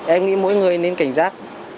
em nghĩ mỗi người nên cảnh giác